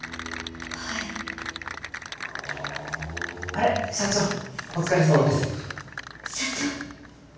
はいあれ社長お疲れさまです社長？